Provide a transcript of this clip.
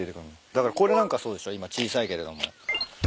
だからこれなんかそうでしょ今小さいけれども。